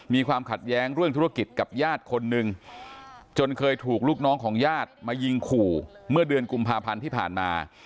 มีความขัดแย้งเรื่องธุรกิจกับญาติคนหนึ่งจนเคยถูกลูกน้องของญาติมายิงขู่เมื่อเดือนกุมภาพันธ์ที่ผ่านมา